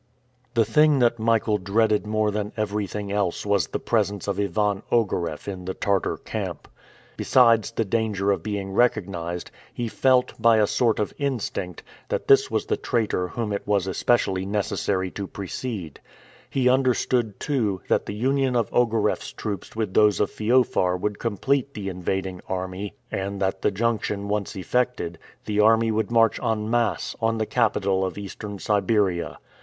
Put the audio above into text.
The thing that Michael dreaded more than everything else was the presence of Ivan Ogareff in the Tartar camp. Besides the danger of being recognized, he felt, by a sort of instinct, that this was the traitor whom it was especially necessary to precede. He understood, too, that the union of Ogareff's troops with those of Feofar would complete the invading army, and that the junction once effected, the army would march en masse on the capital of Eastern Siberia.